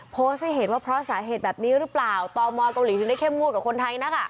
โพสต์ให้เห็นว่าเพราะสาเหตุแบบนี้หรือเปล่าตมเกาหลีถึงได้เข้มงวดกว่าคนไทยนะคะ